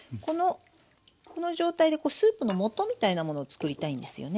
この状態でスープのもとみたいなものを作りたいんですよね。